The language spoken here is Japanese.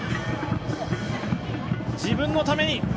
自分のために。